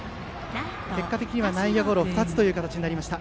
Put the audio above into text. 結果的には内野ゴロ２つとなりました。